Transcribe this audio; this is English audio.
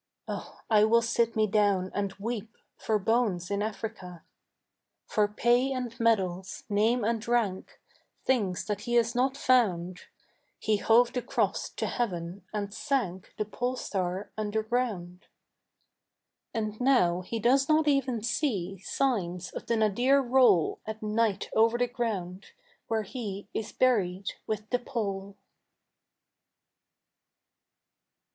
Oh I will sit me down and weep For bones in Africa. For pay and medals, name and rank, Things that he has not found, He hove the Cross to heaven and sank The pole star underground. And now he does not even see Signs of the nadir roll At night over the ground where he Is buried with the pole.